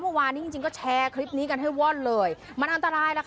เมื่อวานนี้จริงจริงก็แชร์คลิปนี้กันให้ว่อนเลยมันอันตรายแล้วค่ะ